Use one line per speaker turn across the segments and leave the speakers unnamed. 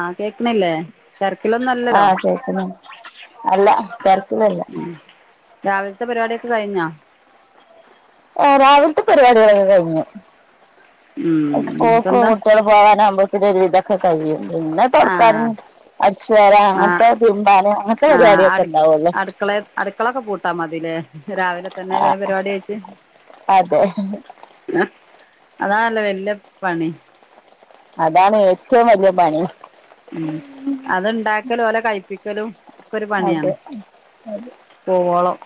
ആഹ് കേക്ക്ണില്ലേ തെരക്കിലൊന്നും അല്ലലോ
തന്നെ അല്ല തെരക്കില് അല്ല
ഉം രാവിൽത്തെ പരിപാടിയൊക്കെ കഴിഞ്ഞൊ
ആഹ് രാവിൽത്തെ പരിപാടികളൊക്കെ കഴിഞ്ഞു.
ഉം
ഉസ്കൂൾക്ക്
ഇപ്പെന്താ
കുട്ടിയെളൊ പോകാനാവുമ്പോഴത്തക്ക് ഒരു വിധൊക്കെ കഴിയും പിന്നെ തൊടക്കാനും
ആഹ്
അട്ച്ചേര
ആഹ്
അങ്ങൻത്തെ തിരുമ്പാന് അങ്ങൻത്തെ പരിപാടിയൊക്കെ ഉണ്ടാവുള്ളൂ
അടുക്കളെ അടുക്കളൊക്കെ പൂട്ടാ മതിലേ രാവിലെ തന്നെ വേം പരിപാടി കഴിച്ച്
അതെ
[unintelligible] അതാണല്ല വല്യ പണി
അതാണ് ഏറ്റവും വല്ല്യ പണി
ഉം അത്ണ്ടാക്കലും ഓലെ കഴി പ്പിക്കലും ഒക്കെ ഒരു
അതെ
പണിയാണ് പോവോളം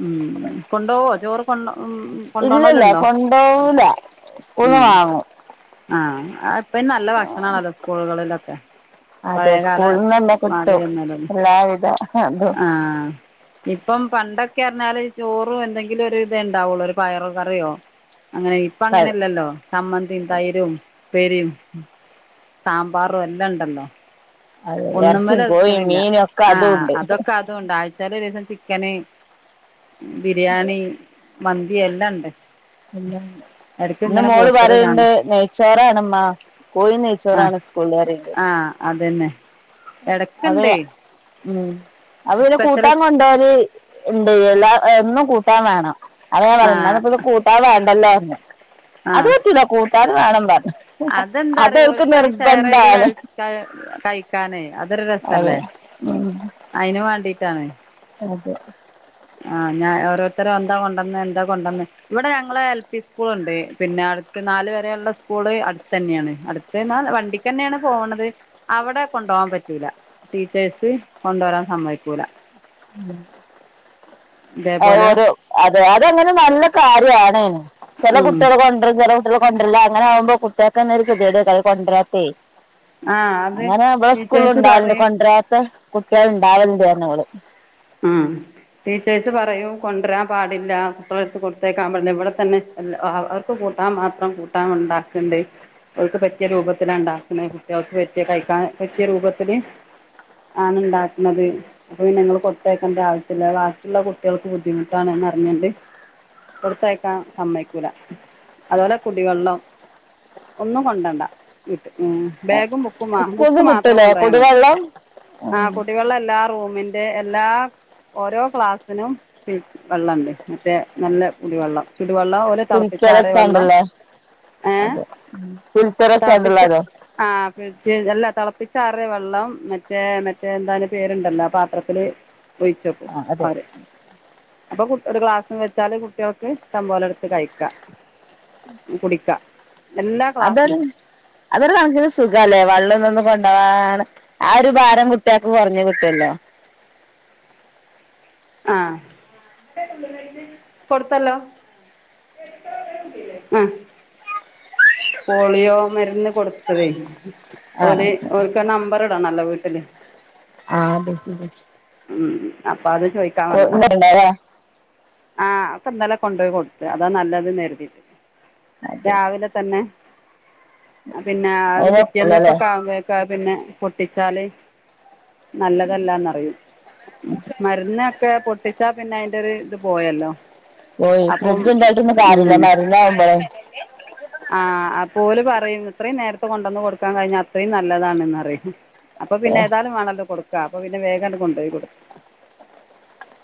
ഉം കൊണ്ടോവോ ചോറ് കൊണ്ട ഉം
ഇല്ലല്ല
കൊണ്ടോണോലുണ്ടോ
കൊണ്ടോവൂല സ്കൂൾന്ന് വാങ്ങും
ആഹ് അത് ഇപ്പ അയിന് നല്ല ഭക്ഷണാണല്ലോ സ്കൂളുകളിലൊക്കെ പഴയ
അതെ
കാല
സ്കൂൾന്നന്നെ കിട്ടും
മാതിരി ഒന്നും അല്ലല്ലോ
എല്ലാവിധ അതും
ആഹ് ഇപ്പം പണ്ടൊക്കെറിഞ്ഞാല് ചോറും എന്തെങ്കിലും ഒരു ഇത് ഉണ്ടാവുള്ളൂ ഒരു പയറ് കറിയോ അങ്ങനെയി ഇപ്പ
ക
അങ്ങനെയല്ലല്ലോ ചമ്മന്തിം തൈരും ഇപ്പേരിം സാമ്പാറും എല്ലം ഇൻ ക്കണ്ടൊ
അത് ഇറച്ചിയും കോഴിയും
ഒന്നുമ്മെല്ക്കിണ്ല്ല
മീനും ഒക്കെ അതും
ആഹ്
ഉണ്ട്
അതൊ ക്കതൂണ്ട് ആഴ്ചയിൽ ഒരുസം ചിക്കന് ബിരിയാണി മന്തി എല്ലാം ഇണ്ട്
എല്ലാണ്ട് ഇന്ന് മോള്
പോസ്റ്ററ്
പറയണ്ട്
കാണും
നെയ്ച്ചോറാണമ്മ കോയി
ആ
നെയ്ച്ചോറാണ് സ്കൂൾല് പറയ്ണ്ട്
ആ അതന്നെ
അപ്പ
ഇടയ്ക്കുണ്ടേ
ഞ്ഞാ ഉം അപ്പപിന്നെ
സ്പെഷ്യല്
കൂട്ടാൻ കൊണ്ടെവല് ഇണ്ട് എല്ലാം എന്നും കൂട്ടാൻ വേണം അത ഞാൻ
ആ
പറഞ്ഞ ഇന്നാ ഇപ്പത് കൂട്ടാൻ വേണ്ടല്ലോർഞ്ഞ് അത്പറ്റൂല കൂട്ടാൻ വേണംപർഞ്ഞ്
അതെന്താറ ഓൽകഹ് ഷെയറെയ്ത് ക കഴിക്കാനേ അതൊരു
അതെ
രസല്ലേ
ഉം
അയിന് വാണ്ടീട്ടാണ്
അതെ
ആഹ് ഞാൻ ഓരോരുത്തരും എന്താ കൊണ്ടന്ന എന്താ കൊണ്ടുന്ന ഇവിടെ ഞങ്ങള് എൽ പി സ്കൂൾ ഉണ്ട് പിന്നെ അടുത്ത് നാല് വരെയുള്ള സ്കൂള് അടുത്തന്നെയാണ് അടു ത്ന്നാ വണ്ടിക്കന്നേണ് പോണത് അവിടെ കൊണ്ടകാൻ പറ്റൂല ടീച്ചേഴ്സ് കൊണ്ടരാൻ സമ്മയ്‌ക്കൂല
അഹ്
ഇതേപോലെ
ഒരു അതെ അതങ്ങനെ നല്ല കാര്യാണേനും ചെല
ഉം
കുട്ട്യള് കൊണ്ടരും ചില കുട്ട്യൾ കൊണ്ടര്ല്ല അങ്ങനെ ആകുമ്പോ കുട്ട്യേക്കെന്ന ഒരു കെതീടേകാര കൊണ്ടരാത്തെ
ആ അത്
അങ്ങനെ ഇവളെ സ്കൂളും
ടീച്ചേഴ്സ്
ഉണ്ടാവലണ്ട്
പറയും
കൊണ്ടരാത്ത കുട്ട്യേള്ണ്ടാവൽണ്ട് പർഞ്ഞു ഓള്
ഉം ടീച്ചേഴ്സ് പറയും കൊണ്ടരാൻ പാടില്ല കുട്ടളെടുത്ത് കൊടുത്തേക്കാകൻ പാടില്ല ഇവിടെത്തന്നെ എ അവർ ക്കു കൂട്ടാൻ മാത്രം കൂട്ടാൻ ഉണ്ടാക്കണ്ട് ഓൽക്ക് പറ്റിയ രൂപത്തിലാണ്ടാക്കണേ കുട്ട്യേൾക്ക് പറ്റിയ കഴിക്കാൻ പറ്റിയ രൂപത്തില് ആണ് ഉണ്ടാക്ക്ണത് അപ്പൊ പിന്നെ ഇങ്ങള് കൊട് തേക്കണ്ട ആവശ്യല്ല ബാക്കിള്ള കുട്ട്യേൾക്ക് ബുദ്ധിമുട്ടാണ്ന്ന് അറിഞ്ഞണ്ട് കൊടുത്തയക്കാ സമ്മയ്ക്കൂല അതുപോലെ കുടിവെള്ളം ഒന്നും കൊണ്ടവണ്ട വിട്ട് ഉം ബാഗും ബുക്കും ബുക്ക്
സ്കൂളിൽ
മാത്രം
കിട്ടൂലേ
കൊണ്ടയാൽ മതി
കുടിവെള്ളം ഉം
ആഹ് കുടിവെള്ള എല്ലാ റൂമിന്റെ എല്ലാ ഓരോ ക്ലാസ്സിനും വെള്ളണ്ട് മറ്റേ നല്ല കുടിവെള്ളം ചുടുവെള്ളം ഓലെ തളപ്പിച്ച് ആറിയ വെള്ളം ഏ
അതെ ഉം ഫിൽറ്ററചാണ്ട്ള്ളതോ
ആഹ് ഫ്രിഡ്ജ് അല്ല തിളപ്പിച്ചാറ വെള്ളം മറ്റേ മറ്റേ എന്താണ് പേരുണ്ടല്ലോ പാത്രത്തില് ഒഴിച്ചക്കും
ആ അതെ
ആരെ അപ്പൊ കു ഒരു ഗ്ലാസും വെച്ചാല് കുട്ട്യൾക്ക് ഷ്ടമ്പോലം എടുത്ത് കഴിക്കാം കുടിക്ക
അതൊരു അതൊരു കണക്കിന് സുഖാല്ലേ വെള്ളംതൊന്നും കൊണ്ടവാതെ ആ ഒരു ഭാരം കുട്ട്യേക്ക് കുറഞ്ഞു കിട്ടുല്ലോ
ആഹ് കൊടുത്തല്ലോ ആ പോളിയോ മരുന്ന് കൊടുത്തതേ
ആ
ഓര്
അതെ
ഓൽക്ക നമ്പർ ഇടണല്ലോ വീട്ടില്
ആഹ് ബക്കി ബക്കി
ഉം അപ്പൊ അത് ചോയ്ക്കാൻ വന്നാ
ഉണ്ടാല
ആഹ് ഒക്കെന്നലെ കൊണ്ടൊയി കൊട്ത്ത് അതാ നല്ലത് നേരുതിയിട്ട്
അതെ
രാവിലെ തന്നെ പിന്നെ അത്
അതിനൊക്കില്ലല്ലേ
പിറ്റേന്നൊക്കെക്കാവുമ്പയേക്ക് അത് പിന്നെ പൊട്ടിച്ചാല് നല്ലതല്ലാന്നറിയും മരന്നക്കെ പൊട്ടിച്ചാ പിന്നെ അതിന്റെ ഒരു ഇത് പോയല്ലോ അപ്പം
ഓയിന്തായിട്ടൊന്നല്ല
ഉം
മരുന്നാവുമ്പോഴേ
ആഹ് പോല പറയും ഇത്രയും നേരത്തെ കൊണ്ടുവന്ന് കൊടുക്കാൻ കഴിഞ്ഞാ അത്രയും നല്ലതാണെന്ന് അറിയും അപ്പൊ പിന്നെ ഏതാലും വേണല്ലോ കൊടുക്കുക അപ്പൊ പിന്നെ വേഗംണ്ട കൊണ്ടുപോയി കൊടുക്ക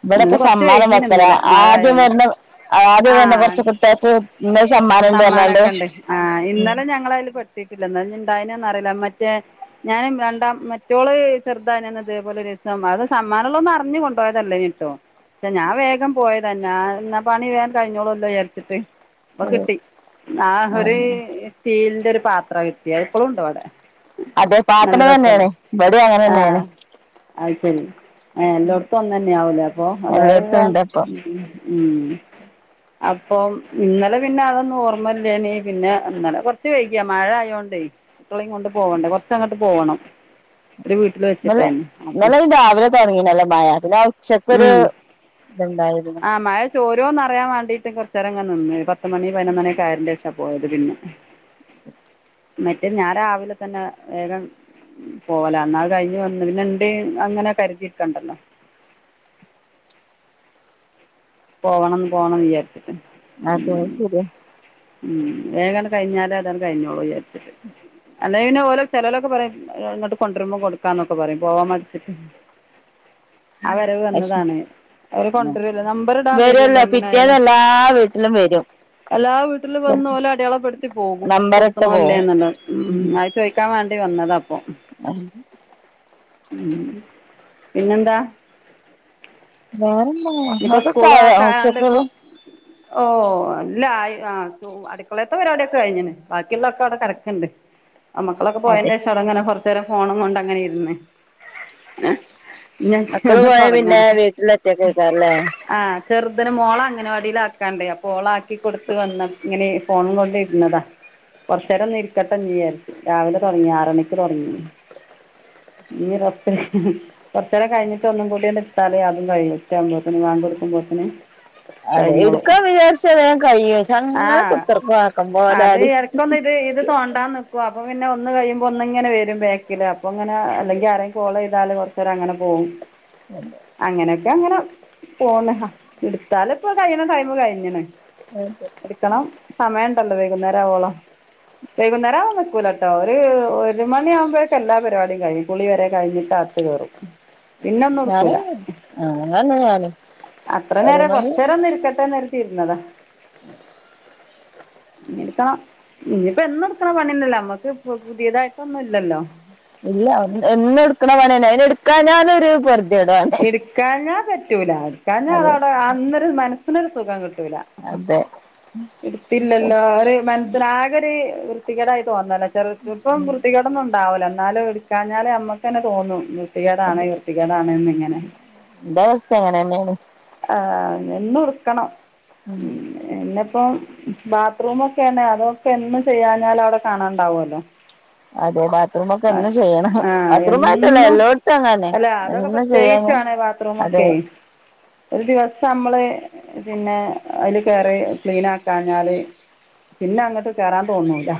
ഇവിടെക്കെ സമ്മാനം വത്ര
ഇന്നലെ മഴ
ആദ്യം
ആയോണ്ട്
വരണം ആ അത് തന്നെ കുറച്ച
ആഹ്
കുട്ടികട്ട്ന്ന സമ്മാനുണ്ട്ല്ലണ്ട് [unintelligible]
ണ്ടേ ആ ഇന്നലെ ഞങ്ങള അതില് പെട്ടട്ടില്ല ഇണ്ടായനന്നന്ന് അറിയില്ല മറ്റേ ഞാനും രണ്ടാം മറ്റോള് ചെറുത ഞാ ഇതേപോല രസ അത് സമ്മാനമ ഒന്ന് അറിഞ്ഞു [unintelligible] അതല്ലേ ട്ടോ പ ഞാൻ വേഗം പോയതന്നാ എന്നാ പണി വേൻ കഴിഞ്ഞോളല്ലോ വിചരിച്ചിട്ട് അപ്പൊ
ഇത്
കിട്ടി ആ ഒരു സ്റ്റേലിന്റെ ഒരു പാത്ര കിട്ടിയ ഇപ്പോളും ഉണ്ടോ അവിടെ
അതെ
നല്ല
[unintelligible]
രസമല്ലേ
തന്നെയാണ് വടി അങ്ങനെ തന്നെയാണ്
ആഹ് അത് ശരി ആ എല്ലായിടത്തും ഒന്ന തന്നെ ആവലേ അപ്പൊ അത
എല്ലായിടത്തും ഉണ്ട് അപ്പൊ
ഉം അപ്പൊ ഇന്നലെ പിന്നെ അതൊന്നും ഓർ അമ്മല്ലേ പിന്നെന്നലെ കൊറച്ച് കഴിക്ക മഴ ആയോണ്ടേ മക്കളയും കൊണ്ട് പോണ്ടേ കുറച്ചങ്ങോട്ട് പോകണം [unintelligible]
ല്ലെ
അപ്പൊ
ഇല്ലെ രാവിലെ തുടങ്ങ നല്ല മഴത്തിന്െ ഉച്ചക്കൊരു
ഉം
ഇത്ണ്ടായിരുന്നു
പ ഓരോന്ന്റിയൻ വണ്ടിയിട്ട് കുറു നേരംങ്ങങ് നിന്ന പത്ത് മണി പതിനൊന്നണൊെ ആയൻന്റെ രേഷാ പോയത് പിന്നെ മറ്റേ ഞാൻ രാവിലെ തന്നെ വേഗം പോല എന്നാ കഴിഞ്ഞ് വന്നു പിന്നെ എണ്ട് അങ്ങനെ കരുതിയിക്കണ്ടല്ലോ പോകണംന്ന് പോകണം വിചാരിച്ചിട്ട്
അതെ ശരി
ഉം വേഗനം കഴിഞ്ഞാലേ അതെ കഴിഞ്ഞോളൂ
ഉം
അല്ല പിന്നെ ഓരോ ചിലവലൊക്കെ പറയും അങ്ങട്ട് കൊണ്ടുവരുമ്പോ കൊടുക്കാന്നൊക്കെ പറയും പോവാൻ മറ്റിച്ചിട്ട് ആ വരവ്
പക്ഷെ
വന്നതാണ് അവര് കൊണ്ടുവരല്ല നമ്പർ ഇടാൻ
വരുംല്ല
വരുമല്ലോ
പിറ്റേന്ന എല്ലാ വീട്ടിലും വരും
അല്ല വീട്ടില് വന്ന പോലെ അടയാളപ്പെടുത്തി പോകും
നമ്പർ ഇട്ട്
കൊടുത്തണോല്ലേ
പോവും
എന്നല്ല ഉ ചോദിക്കാൻ വേണ്ടി വന്നത് അപ്പൊ
ഉ [unintelligible]
പിന്നെന്താ ഇനിയിപ്പോ
[unintelligible]
ഓഹ് അല്ല ആയി അടുക്കളയത്തെ പരിപടൊക്കെ കഴിഞ്ഞന് ബാക്കിയുള്ളൊക്കെ അവിടെ കിടക്കണ്ട് അമ്മക്കളൊക്കെ
അതെ
പോയന്റെേഷം അട ഇങ്ങനെ കൊറച്ച നേരം ഫോണും കൊണ്ട് അങ്ങനെ ഇരുന്ന്
അക്കാള്
ഒന്ന്
പോയ പിന്നെ വീട്ടില് ഒറ്റക്ക് നിൽക്കാം അല്ലെ
ആഹ് ചെറുതന് മോള അങ്ങനെ വടിൽ ആക്കാണ്ടേ അപ്പ ഓള ആക്കി കൊടുത്ത വന്ന ഇങ്ങനെ ഫോൺ കൊണ്ട ഇരുന്നതാ കുറച്ച നേരം നി ഇരിക്കട്ടെചാരിച്ചു രാവിലെ തുടങ്ങി ആറ മണിക്ക് തുടങ്ങി ഇനിറൊപ്പ കൊറച്ചരം കഴിഞ്ഞിട്ട് ഒന്നും കൂടിയന്ന ഇത്താലേ അതും കഴിയൂ [inaudible]
അതെ എടുക്കാൻ വിചാരിച്ചൻ കഴിയും
ആ
ങ്ങനെ കുത്തിറക്ക ആക്കുമ പോല
അത്
അടി
ഇടയ്ക്കൊന്ന് ഇത് തോണ്ടാൻ നക്കുവ അപ്പൊ പിന്നെ ഒന്ന് കഴിയുമ്പോ ഒന്നിങ്ങനെ വരും ബേക്കില് അപ്പ അങ്ങനെ അല്ലെങ്കി ആരെ ഫളോ ചെയ്താല് കുറച്ചര അങ്ങനെ പോകും
[unintelligible]
അങ്ങനെയൊക്കെ അങ്ങനെ പോന്ന് ഹ എടുത്താല് ഇപ്പൊ കയ്യിണ ടൈമ് കഴിഞ്ണ് എടുക്കണം സമയണ്ടല്ലോ വൈകുന്നേരം ആവവോളോ വൈകുന്നേരം ആവാ നക്കൂലട്ടോ ട്ടോ ഒര് ഒര് മണിയാകുമ്പോഴേക്കെ എല്ലാ പരിപാടിയും കഴയു കുളി വരെ കഴിഞ്ഞിട്ട് അഅത് കയറും പിന്നെ ഒന്നും എടുക്കില്ല
ഞാനങ്ങനെ അങ്ങൻന്നെ ഞാനു
അത്ര നേര കൊറചേരം ഒന്ന് ഇരിക്കട്ടെ നര്തി ഇരുന്നതാ
ഉ [inaudible]
ഇനി എടുക്കണം ഇനിയിപ്പോ എന്നും എടുക്കണ പണിന്നെല്ല നമ്മക്ക് പുതിയതായിട്ടൊന്നും ഇല്ലല്ലോ
ഇല്ല എന്നു എടുക്ണ പണിന്നെ അയിന് എടുക്കാൻ ഞാലൊരു പൊർദ്യടാ
എടുക്കാഞ്ഞാ പറ്റൂല എടുക്കാഞ്ഞാ
അതെ
അതവിടെ അന്നൊരു മനസ്സിനൊരു സുഖം കിട്ടൂല
അതെ
എടുത്തില്ലല്ലോ അവര് മനസ്സിനാ നോര് വൃത്തികേടായി തോന്നല ചെൽ ഇപ്പം വൃത്തികേടൊന്നും ണ്ടാവൂല എന്നാലും എടുക്കാഞ്ഞാലേമ്മക്കന്നെ തോന്നും വിർത്തിക്കേടാണ് വൃത്തികേടാണ്ന്ന് ഇങ്ങനെ
ന്റെവസ്ഥ അങ്ങനെന്നെണ്
ആഹ നിന്ന് ഉടുക്കണം
ഉം
എന്നപ്പം ബാത്റൂമൊക്കെന്നെ അതൊക്കെ എന്ന് ചെയ്യാഞ്ഞാല് അവിടെ കാണാണ്ടാവൊല്ലോ
അതെ ബാത്റൂം ഒക്കെ എന്നും ചെയ്യണം
ആഹ്
ബാത്റൂം ആയിട്ടല്ല
എന്നും
എല്ലായിടത്തും അങ്ങനെ
അല്ല അതൊക്കെ
എന്നും ചെയ്യാൻ ഞാൻ
പ്രത്യേകിച്ചണെ ബാ
അതെ
ത്രുമൊക്കെ ഒരു ദിവസം നമ്മള് പിന്നെ അതില് കേറി ക്ലീൻ ആക്കാഞ്ഞാല് പിന്നെ അങ്ങട്ട് കേറാൻ തോന്നൂല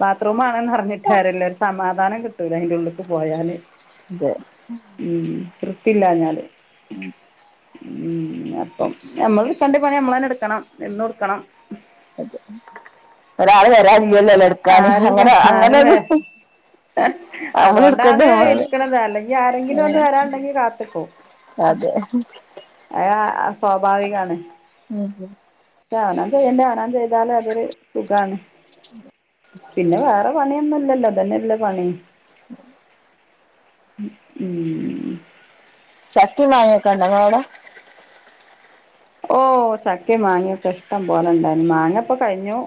ബാത്റൂമാണെന്ന് അറിഞ്ഞിട്ടാര്യല്ല ഒരു സമാധാനം കിട്ടൂല്ല അയിന്റെ ള്ളിക്ക് പോയാല്
തെ
ഉം വൃത്തില്ലഞ്ഞാല്
ഉം
ഉം അപ്പം നമ്മള്ട്കണ്ട്യ പണി നമ്മളന്നെ എടുക്കണം എന്നും എടുക്കണം
[unintelligible] ഒരാള് വരാല്ല്യല്ലോലേ എടുക്കാന് അങ്ങനെ അങ്ങനെത്
അതോണ്ടാണ്
നമ്മള്
ഇരിക്കണത് അല്ലെങ്കി ആരെങ്കിലും
ഉം,
ഒന്ന് വരാാനുണ്ടെങ്കി കാത്തിക്കും
അതെ
അയാ സ്വാഭാവികാണ്
ഉം
അവ്നാം ചെയ്യണ്ട്യ ആനാം ചെയ്താല് അതൊരു സുഖാണ്
ഉ [inaudible]
പിന്നെ വേറെ പണിയൊന്നും ഇല്ലല്ലോ തന്നല്ല പണി ഉം ഉം
ചക്കി മാങ്ങി ഒക്കെണ്ടൊ ങ്ങളോടെ
ഓഹ് ചക്ക മാങ്ങിയൊക്കെ ഇഷ്ടം പോലെ ഇണ്ടായിരുന്നു മാങ്ങപ്പോ കഴിഞ്ഞു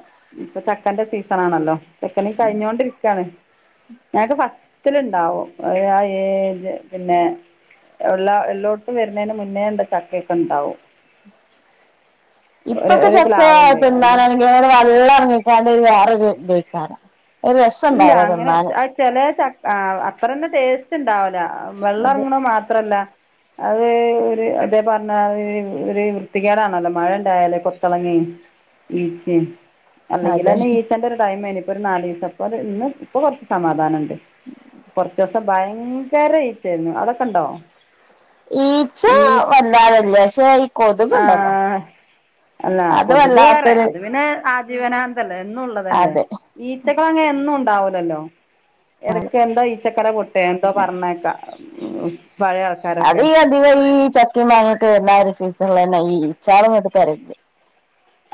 ഇപ്പൊ ചക്കന്റെ സീസൺ ആണല്ലോ ചെക്കൻീ കഴിഞ്ഞോണ്ടിരിക്കാണ് ഞക്ക് ഫസ്റ്റിലിണ്ടാവും അഹ് ഏജ് പിന്നെ ഉള്ള എള്ളോട്തും വരുന്നയ്ന്റെ മുന്നേ എണ്ട് ചക്കയൊക്കെണ്ടാവും ഉ
ഇപ്പൊക്കെ ചെക്ക തിന്നാനാണെങ്കിൽ [unintelligible] വള്ളം ഇറങ്ങിക്കാണ്ട് വേറെര് തയിക്കാര ഒരു രസംണ്ടാഉല തിന്നാന്
ചെലെ ച ആ അത്രന്നെ ടേസ്റ്റ് ഇണ്ടാവുല. വെള്ളം
അത്
എറങ്ങണ മാത്രല്ല. അത് ഒര് അത് പറഞ്ഞാ ഒരു വൃത്തികേടാണല്ലോ മഴ ഇണ്ടായാലേ കൊത്തളങ്ങിം [unintelligible]
അതെ
അല്ലെങ്കിലെന്നെ ഈച്ചെന്റെ ഒരു ടൈ മേനി ഇപ്പൊരു നാലീസം. ഇപ്പര് ഇന്ന് ഇപ്പൊ കൊറ്ച്ച് സമാധാനണ്ട്. കൊറ്ച്ചൂസം ഭയങ്കര ഈച്ചേര്ന്നു ഔടൊക്കെ ഇണ്ടോ
ഈച്ച വല്ലാതല്ല പക്ഷെ ഈ കൊത് ഇണ്ടല്ലോ.
ആഹ് അല്ല കൊതുകേറെ അത് പിന്നെ ആജീവന ല്ല എന്നൂള്ളതല്ലെ.
അതെ
ഈച്ചകളങ്ങെനെ എന്നും ഇണ്ടാവൂലല്ലോ എടക്ക് എന്തോ ഈച്ചക്കര പൊട്ടേ എന്തോ പറ്ഞ്ഞേക്ക പഴേയ [unintelligible]
അത് ഈ അധികം ഈ ചക്കിം മാങ്ങിട്ട് വരുന്ന ഒരു സീസണിലെന്നെ ഈ ഇച്ചാളും ഇങ്ങട്ട് പെരുകും.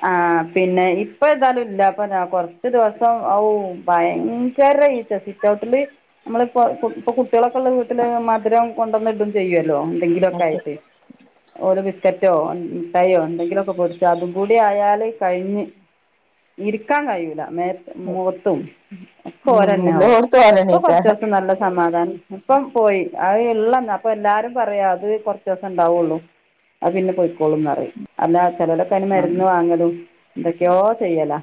ആ പിന്നെ ഇപ്പ ഏതാലും ഇല്ല. അപ്പൊ കൊറ്ച്ച് ദിവസം ഔ ഭയങ്കര ഈച്ച റ്റൗട്ടില് നമ്മള് ഇപ്പ [unintelligible] കുട്ട്യേളൊക്കെള്ള വീട്ട്ല് മധുരം കൊണ്ടന്നിടും ചെയ്യല്ലോ എന്തെങ്കിലൊക്കെ
എന്നിട്ട്
ആയിട്ട് ഓരോ ബിക്കറ്റോ മിഠായോ എന്തെങ്കിലൊക്കെ പൊടിച്ചാലും. കൂടി ആയാല് കഴിഞ്ഞ്. ഇരിക്കാൻ കയൂല [unintelligible] മോത്തും ഒക്കെ
ഉം
ഓരെന്നാവും.
എല്ലോട്ത്തും
ഇപ്പൊ
ഓലെന്നെയ്ക്കാരം
കൊറ്ച്ചൂസം നല്ല സമാധാനം. ഇപ്പം പോയി അത് ഇള്ളെന്ന അപ്പ എല്ലാരും പറയാ. അത് കൊറ്ച്ചൂസം ഇണ്ടാവൊള്ളു. അത് പിന്നെ പൊയിക്കോളുംന്ന് പറയും. അല്ലാ ചെല [unintelligible] ക്കന്
ഉം
മരുന്ന് വാങ്ങലും എന്തൊക്ക്യാെ ചെയ്യല.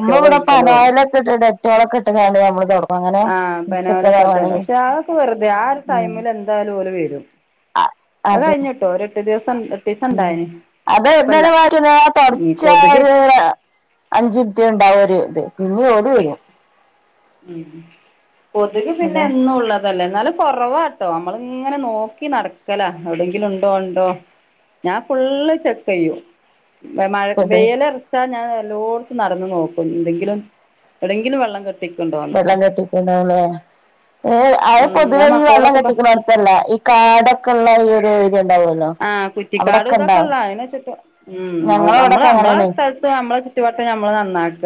നമ്മൾ ഇവിടെ പനായിലൊക്കെ ഇട്ട് ഡെറ്റോള ഒക്കെ ഇട്ട്ങ്ങാണ് നമ്മള് തൊടക്കും അങ്ങനെ ചെക്കതവാണ്
ശാളൊക്ക വെറുതെ ആ ഒര് ടൈമിൽ എന്ത എന്തായലും ഓല് വെരും.
അ
അത്
അതെ
കഴിഞ്ഞ്ട്ടോ ഒര് എട്ട് ദിവസം എട്ടീസം ഇണ്ടായിനി.
അത് ഇതു [unintelligible] വരുന്ന
കൊതുക്
തൊടച്ചേരുവ [unintelligible] അഞ്ചിൻറ്റ് ഇണ്ടാവും ഒരു ഇത് പിന്നി ഓല് വെരും.
ഉം കൊത്ക് പിന്നെ
അതാ
എന്നും ഉള്ളതല്ലേ ഇന്നാലും. കൊറവാട്ടോ. നമ്മള് ഇങ്ങനെ നോക്കി നടക്കല. എവിടെങ്കിലും ഇണ്ടോ ഇണ്ടോ. ഞാൻ ഫുള്ള് ചെക്ക് ചെയ്യും. മഴ
ഇത്
വെയ്ലറ് ഞാൻ എല്ലോട്ത്തും നടന്നു നോക്കും. എന്തെങ്കിലും യൊവ്ടെങ്കിലും വെള്ളം കെട്ട്
വെള്ളം കെട്ടിക്ക്ണലെ ഏഹ് അത്
ഉം ഞാൻ
പൊതുവെ ഈ വെള്ളം
മക്കളോടൊക്കെ പ
കെട്ടിക്ക്ണ ല്ല ഈ കാടൊക്കെ ഇള്ള ഈ ഒരു ഉണ്ടാവൊല്ലോ.
ആഹ് കുറ്റിക്കാടു ഇതൊക്കെ ഇള്ള അയ്ന [unintelligible] നമ്മള്
ഞങ്ങളവിടൊക്കെ
നമ്മളെ
അങ്ങനെയാണ്
സ്ഥ നമ്മളെ ചുറ്റു വട്ടം നമ്മള് നന്നാക്ക.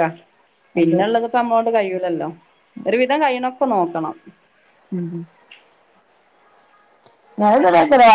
അത്
പിന്നെ ഇള്ളത്. നമ്മോണ്ട് കഴൂലല്ലോ. ഒരുവിധം കഴിണൊക്കെ നോക്കണം.
ഉം ഉം [unintelligible]